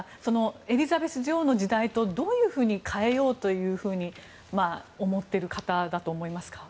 エリザベス女王の時代とどういうふうに変えようと思ってる方だと思いますか。